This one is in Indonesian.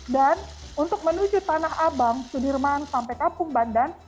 untuk menuju tanah abang sudirman sampai kampung bandan